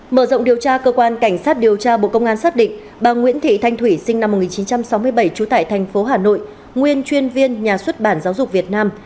mở rộng điều tra cơ quan cảnh sát điều tra bộ công an xác định bà nguyễn thị thanh thủy sinh năm một nghìn chín trăm sáu mươi bảy trú tại thành phố hà nội nguyên chuyên viên nhà xuất bản giáo dục việt nam